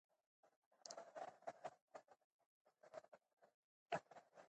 اداري اصول د انصاف بنسټ دی.